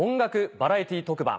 バラエティー特番